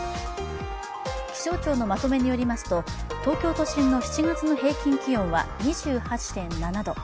気象庁のまとめによると東京都心の７月の平均気温は２８．７度。